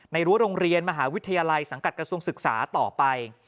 รั้วโรงเรียนมหาวิทยาลัยสังกัดกระทรวงศึกษาต่อไป